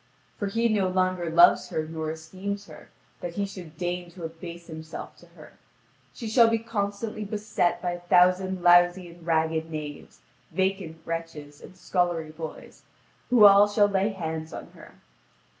For he no longer loves her nor esteems her, that he should deign to abase himself to her. She shall be constantly beset by a thousand lousy and ragged knaves, vacant wretches, and scullery boys, who all shall lay hands on her.